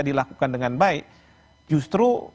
dilakukan dengan baik justru